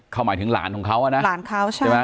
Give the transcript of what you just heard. เขาหมายถึงหลานของเขานะ